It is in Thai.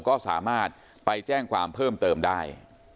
ก็สามารถไปแจ้งความเพิ่มเติมได้